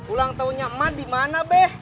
ulang tahunnya emak dimana beh